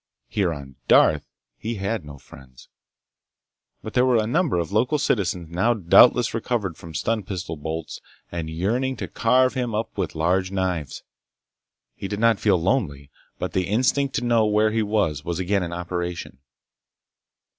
Here on Darth he had no friends, but there were a number of local citizens now doubtless recovered from stun pistol bolts and yearning to carve him up with large knives. He did not feel lonely, but the instinct to know where he was, was again in operation.